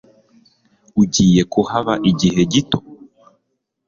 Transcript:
Ugiye kuhaba igihe gito?